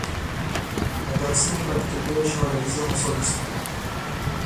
Obecnie praktykuje się rewizję osobistą